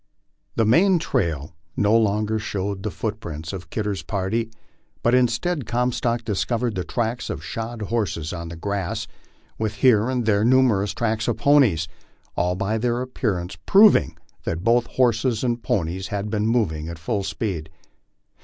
The main trail no longer showed the footprints of Kidder's party, but in stead Comstock discovered the tracks of shod horses on the grass, with hera and there numerous tracks of ponies, all by their appearance proving that both horses and ponies had been moving at full speed.